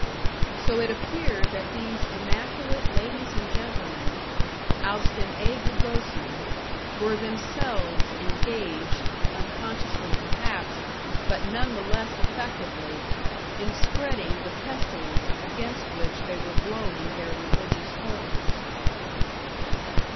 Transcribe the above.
So it appeared that these immaculate ladies and gentlemen, aus dem Ei gegossen, were themselves engaged, unconsciously, perhaps, but none the less effectively, in spreading the pestilence against which they were blowing their religious horns!